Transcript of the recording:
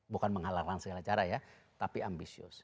bukan menghalalkan segala cara ya tapi ambisius